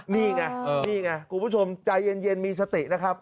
นี่ไงนี่ไงคุณผู้ชมใจเย็นมีสตินะครับ